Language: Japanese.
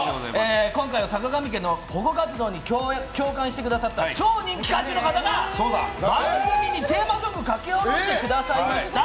今回はさかがみ家の保護活動に共感してくださった超人気歌手の方が番組にテーマソングを書き下ろしてくださいました。